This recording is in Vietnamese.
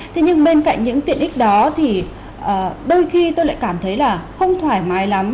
thế nhưng bên cạnh những tiện ích đó thì đôi khi tôi lại cảm thấy là không thoải mái lắm